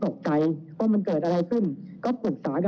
เคยคิดว่าจะมีวิธีการมันจากไหนคือเศรษฐนาตอนแรกมันคือต้องการปิดหน้าตัวเองครับ